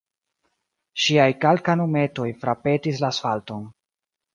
Ŝiaj kalkanumetoj frapetis la asfalton.